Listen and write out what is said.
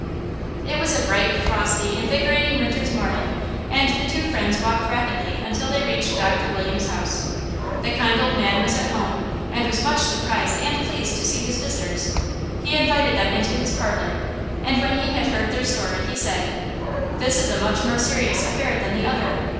It was a bright, frosty, invigorating winter's morning, and the two friends walked rapidly until they reached Doctor Williams' house. The kind old man was at home, and was much surprised and pleased to see his visitors. He invited them into his parlor, and when he had heard their story, he said: "This is a much more serious affair than the other.